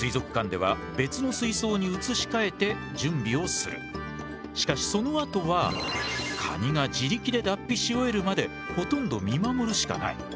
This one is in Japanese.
ちなみにしかしそのあとはカニが自力で脱皮し終えるまでほとんど見守るしかない。